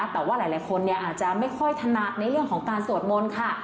แต่ว่าหลายคนอาจจะไม่ค่อยถนัดในเรื่องของการสวดมนต์ค่ะ